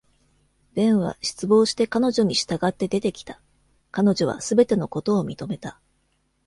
Ben は、失望して彼女に従って出てきた。彼女は全てのことを認めた。